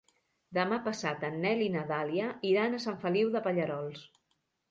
Demà passat en Nel i na Dàlia iran a Sant Feliu de Pallerols.